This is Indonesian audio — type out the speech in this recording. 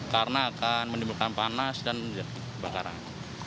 karena akan menimbulkan panas dan kebakaran